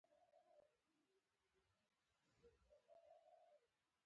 بوسوانیا هېواد متل وایي دروغجن تل بد دي.